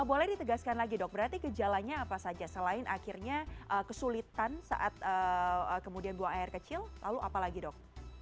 boleh ditegaskan lagi dok berarti gejalanya apa saja selain akhirnya kesulitan saat kemudian buang air kecil lalu apa lagi dok